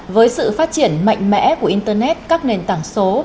với sự phát triển mạnh mẽ của internet các nền tảng số